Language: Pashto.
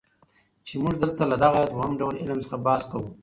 چي موږ دلته له دغه دووم ډول علم څخه بحث کوو.